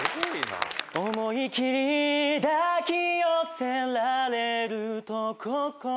「思いきり抱き寄せられると心」